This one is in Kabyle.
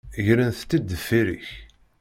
Grent-tt-id deffir-k.